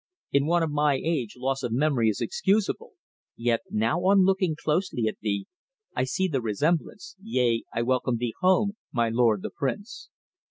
"In one of my age loss of memory is excusable, yet now on looking closely at thee, I see the resemblance yea, I welcome thee home, my lord the prince."